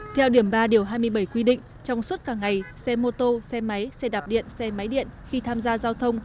theo điểm ba điều hai mươi bảy quy định trong suốt cả ngày xe mô tô xe máy xe đạp điện xe máy điện khi tham gia giao thông